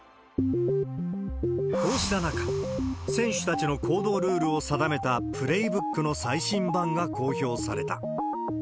こうした中、選手たちの行動ルールを定めたプレーブックの最新版が公表された。